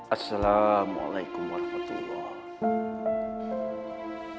assalamualaikum warahmatullahi wabarakatuh